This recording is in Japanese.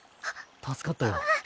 助かったよ。